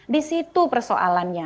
di situ persoalannya